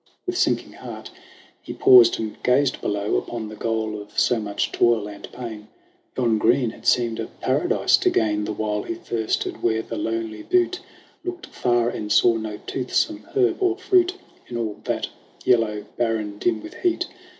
With sinking heart he paused and gazed below Upon the goal of so much toil and pain. Yon green had seemed a paradise to gain The while he thirsted where the lonely butte Looked far and saw no toothsome herb or fruit In all that yellow barren dim with heat.